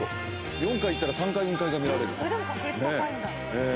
４回行ったら３回雲海が見られる。